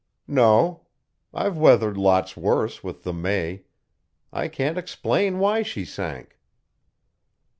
"No. I've weathered lots worse with the May. I can't explain why she sank."